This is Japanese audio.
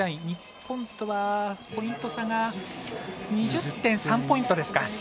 日本とはポイント差が２０．３ポイントですか。